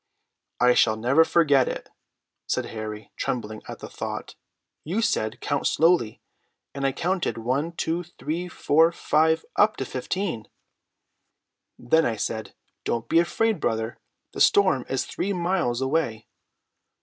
"I shall never forget it," said Harry, trembling at the thought. "You said, 'Count slowly'; and I counted one, two, three, four, five, up to fifteen." "Then I said: 'Don't be afraid, brother; the storm is three miles away.'"